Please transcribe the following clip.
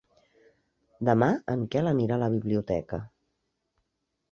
Demà en Quel anirà a la biblioteca.